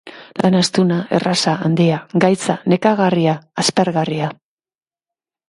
Lan astuna, erraza, handia, gaitza, nekagarria, aspergarria.